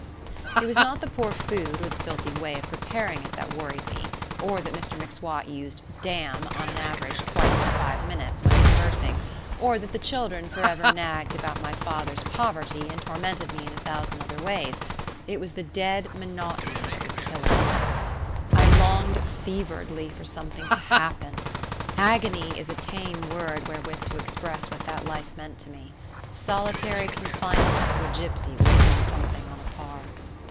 It was not the poor food and the filthy way of preparing it that worried me, or that Mr M'Swat used "damn" on an average twice in five minutes when conversing, or that the children for ever nagged about my father's poverty and tormented me in a thousand other ways it was the dead monotony that was killing me. I longed feveredly for something to happen. Agony is a tame word wherewith to express what that life meant to me. Solitary confinement to a gipsy would be something on a par.